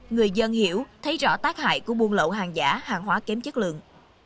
người dân hiểu thấy rõ tác hại của buôn lậu hàng giả hàng hóa kém chất lượng